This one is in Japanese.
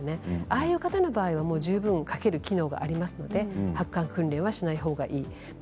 ああいう方は十分かける機能がありますので発汗訓練はしないほうがいいです。